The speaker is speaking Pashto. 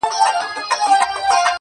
د خدای لپاره په ژړه نه کيږي ,,